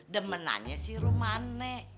dan menanya si rumane